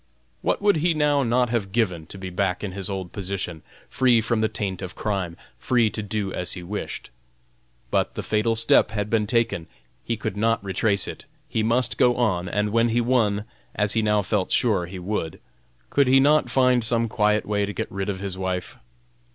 What would he now not have given to be back in his old position, free from the taint of crime, free to do as he wished? But the fatal step had been taken; he could not retrace it, he must go on, and when he won, as he now felt sure he would, could he not find some quiet way to get rid of his wife?